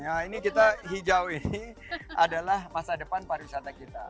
ya ini kita hijau ini adalah masa depan pariwisata kita